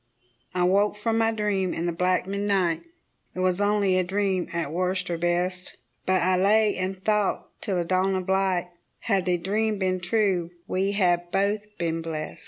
I woke from my dream in the black midnight It was only a dream at worst or best But I lay and thought till the dawn of light, Had the dream been true we had both been blest.